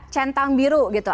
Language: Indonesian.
centang biru gitu